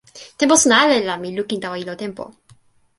tenpo suno ale la mi lukin tawa ilo tenpo.